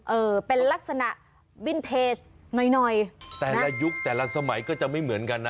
เออเป็นลักษณะวินเทจหน่อยหน่อยแต่ละยุคแต่ละสมัยก็จะไม่เหมือนกันนะ